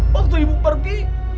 waktu ibu pergi